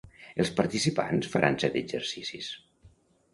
Els participants faran set exercicis.